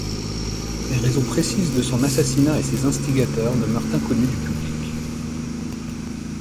Les raisons précises de son assassinat et ses instigateurs demeurent inconnus du public.